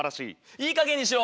いいかげんにしろ！